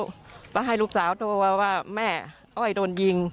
เพราะให้ลูกสาวโทรว่าแม่อ้อยโดนยิง